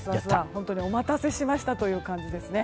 本当にお待たせしましたという感じですね。